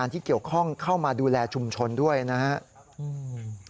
ที่เกี่ยวข้องเข้ามาดูแลชุมชนด้วยนะครับ